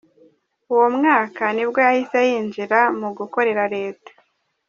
Uwo mwaka nibwo yahise yinjira mu gukorera Leta.